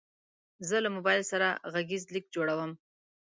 زه له موبایل سره غږیز لیک جوړوم.